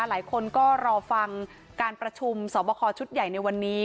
หลายคนก็รอฟังการประชุมสอบคอชุดใหญ่ในวันนี้